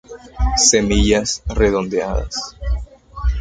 Semillas redondeadas.